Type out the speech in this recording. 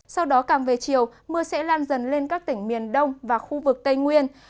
sau đó càng về chiều mưa sẽ lan dần lên các tỉnh miền đông và khu vực tây nguyên